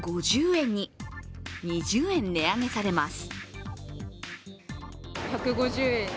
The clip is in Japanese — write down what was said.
２０円値上げされます。